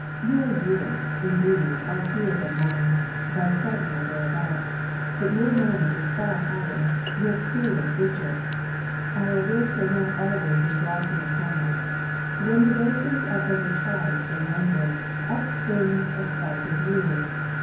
Your years, indeed, are fewer than mine, by seven or thereabout ; but your know ledge is far higher, your experience richer. Our wits are not always in blossom upon us. When the roses are over charged and languid, up springs a spike of rue.